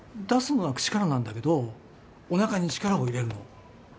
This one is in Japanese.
出すのは口からなんだけどおなかに力を入れるの。